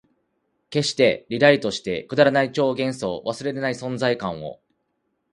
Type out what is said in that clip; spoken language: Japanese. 消して、リライトして、くだらない超幻想、忘れらない存在感を